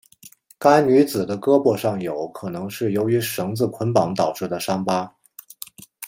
该女子的胳膊上有可能是由于绳子捆绑导致的伤疤。